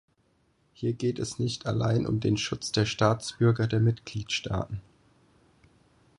Hier geht es nicht allein um den Schutz der Staatsbürger der Mitgliedstaaten.